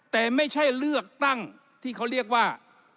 แต่ไม่ใช่เลือกตั้งที่เขาเรียกว่า